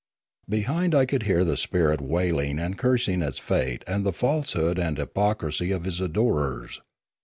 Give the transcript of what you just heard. Behind I could hear the spirit wailing and cursing its fate and the falsehood and hypocrisy of his adorers.